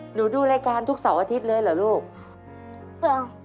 ดูรายการทุกเสาร์อาทิตย์เลยเหรอลูกเหรอ